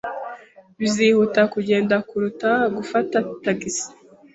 Bizihuta kugenda kuruta gufata tagisi.